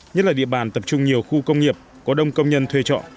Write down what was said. nhất là địa bàn tập trung nhiều khu công nghiệp có đông công nhân thuê trọ